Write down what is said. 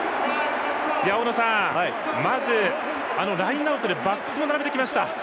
大野さん、まずラインアウトでバックスを並べてきました。